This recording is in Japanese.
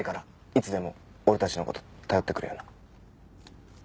いつでも俺たちの事頼ってくれよな。